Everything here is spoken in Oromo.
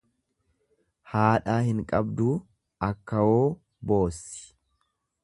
Haadhaa hin gabduu akkawoo boossi.